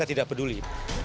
saya tidak peduli